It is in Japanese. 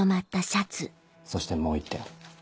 そしてもう１点。